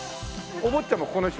お坊ちゃんもここの人？